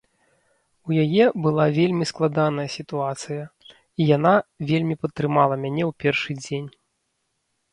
У яе была вельмі складаная сітуацыя, і яна вельмі падтрымала мяне ў першы дзень.